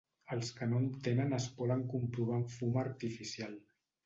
Els que no en tenen es poden comprovar amb fum artificial.